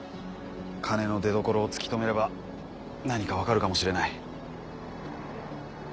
金の出どころを突き止めれば何か分かるかもしれない。